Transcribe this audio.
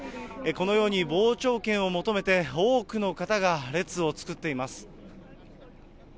このように傍聴券を求めて、多くの方が列を作っています。